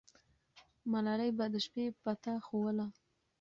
ملالۍ به د شپې پته ښووله.